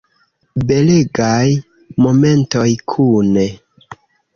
Belegaj momentoj kune.